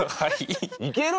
いける！？